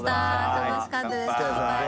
楽しかったです乾杯。